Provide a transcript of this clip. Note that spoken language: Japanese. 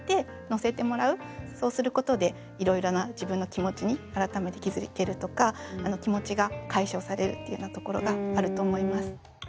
そうすることでいろいろな自分の気持ちに改めて気付けるとか気持ちが解消されるっていうようなところがあると思います。